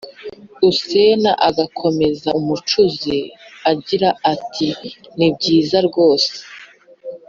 usena agakomeza umucuzi, agira ati «Ni byiza rwose»,